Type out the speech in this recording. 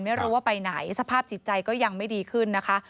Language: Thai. ไม่รู้ว่าไปไหนสภาพจิตใจก็ยังไม่ดีขึ้นนะคะ